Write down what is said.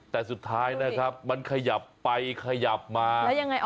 แต่สุดท้ายนะครับมันขยับไปขยับมายังไง